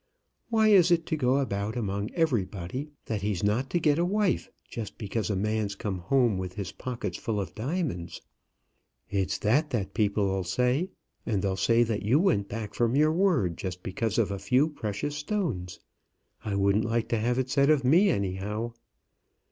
Why is it to go about among everybody, that he's not to get a wife just because a man's come home with his pockets full of diamonds? It's that that people'll say; and they'll say that you went back from your word just because of a few precious stones. I wouldn't like to have it said of me anyhow."